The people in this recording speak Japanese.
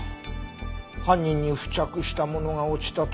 犯人に付着したものが落ちたとしたら。